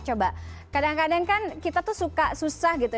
coba kadang kadang kan kita tuh suka susah gitu